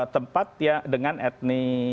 tempat ya dengan etni